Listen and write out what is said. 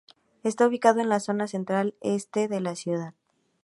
Está ubicado en la zona central-este de la ciudad.